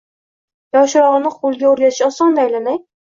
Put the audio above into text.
Yoshrog`ini qo`lga o`rgatish oson-da, aylanay